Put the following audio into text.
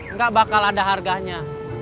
nggak bakal ada harganya